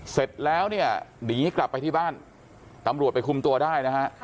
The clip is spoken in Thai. เสร็จแล้วหลีกลับไปที่บ้านตำรวจไปคุมตัวได้